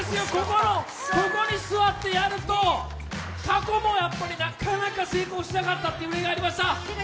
ここに座ってやると過去もやっぱりなかなか成功しなかったという例がありました。